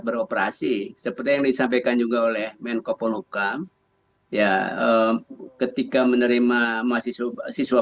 beroperasi seperti yang disampaikan juga oleh menko polukam ya ketika menerima mahasiswa mahasiswa